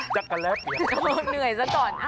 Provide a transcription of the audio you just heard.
จักรกันแล้วเนื่อยซะตอน